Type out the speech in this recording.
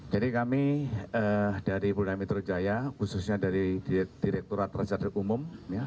jadi kami dari pulau metro jaya khususnya dari direkturat residu umum